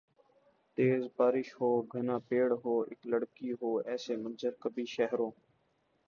تیز بارش ہو گھنا پیڑ ہو اِک لڑکی ہوایسے منظر کبھی شہروں